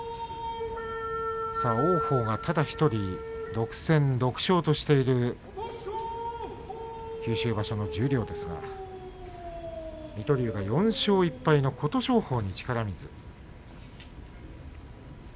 王鵬がただ１人６戦６勝としている九州場所の十両ですが水戸龍が４勝１敗の琴勝峰に力水。